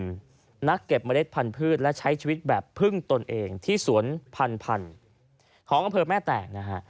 เป็นนักเก็บเมล็ดพันธุ์และใช้ชีวิตแบบพึ่งตนเองที่สวนพันธุ์ของอำเภอแม่แตกนะฮะ